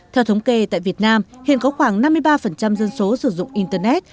theo thống kê tại việt nam hiện có khoảng năm mươi ba dân số sử dụng internet